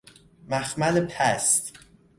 مخمل پست